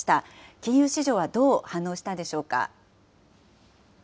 金融市場はどう反応したんでしょうか。